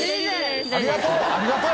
ありがとう！